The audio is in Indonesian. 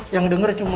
yang denger cuma